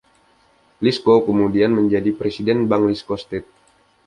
Lisco kemudian menjadi presiden bank Lisco State.